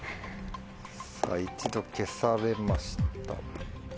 さぁ一度消されました。